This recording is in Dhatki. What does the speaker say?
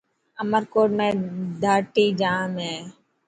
عمرڪوٽ ۾ ڌاٽي ڄام هي.